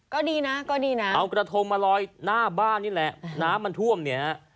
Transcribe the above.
ก็ดีนะก็ดีนะเอากระทงมาลอยหน้าบ้านนี่แหละน้ำมันท่วมเนี่ยฮะ